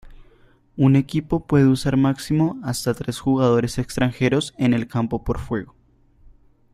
Un equipo puede usar máximo hasta tres jugadores extranjeros en el campo por juego.